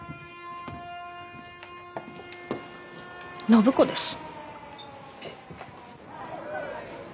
暢子です。